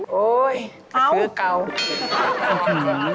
อุ๊ยเขากลัวเขาอืม